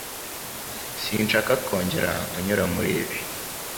Sinshaka kongera kunyura muri ibi